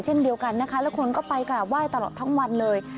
เช่นเดียวกันนะคะแล้วคนก็ไปกราบไหว้ตลอดทั้งวันเลย